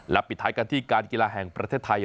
ปิดท้ายกันที่การกีฬาแห่งประเทศไทย